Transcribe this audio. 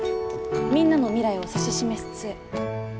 みんなの未来を指し示す杖。